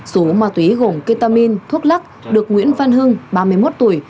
số ma túy gồm ketamin thuốc lắc được nguyễn văn hưng ba mươi một tuổi